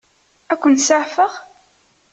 Ad ken-seɛfeɣ?